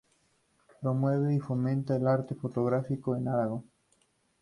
Promueve y fomenta el arte fotográfico en Aragón.